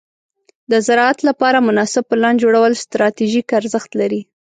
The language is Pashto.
د زراعت لپاره مناسب پلان جوړول ستراتیژیک ارزښت لري.